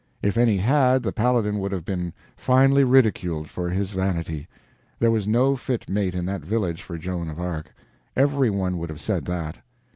If any had, the Paladin would have been finely ridiculed for his vanity. There was no fit mate in that village for Joan of Arc. Every one would have said that.